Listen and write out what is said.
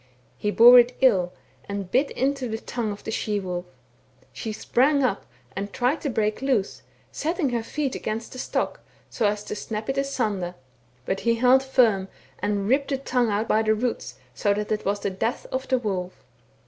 He bore it ill, and bit into the tongue of the she wolf ; she sprang up and tried to break loose, setting her feet against the stock, so as to snap it asunder : but he held firm, and ripped the tongue out by the roots, so that it was the death of the wolf.